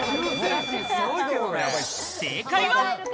正解は。